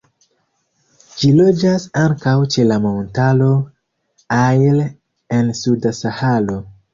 Ĝi loĝas ankaŭ ĉe la Montaro Air en suda Saharo.